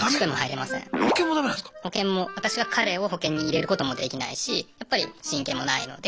私が彼を保険に入れることもできないしやっぱり親権もないので。